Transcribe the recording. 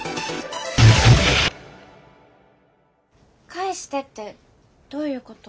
返してってどういうこと？